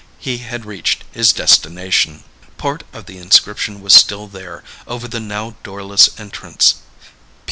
He had reached his destination. Part of the inscription was still there, over the now doorless entrance.